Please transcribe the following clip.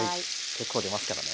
結構出ますからね。